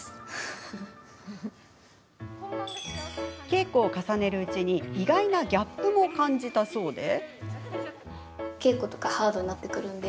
稽古を重ねるうちに意外なギャップも感じたそうで。